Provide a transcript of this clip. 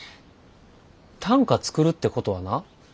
短歌作るってことはな